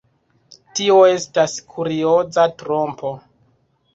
Tio estas kurioza trompo.